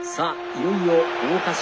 いよいよ桜花賞